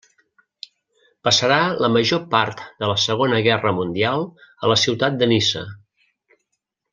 Passarà la major part de la Segona Guerra mundial a la ciutat de Niça.